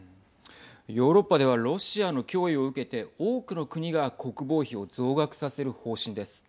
ヨーロッパではロシアの脅威を受けて多くの国が国防費を増額させる方針です。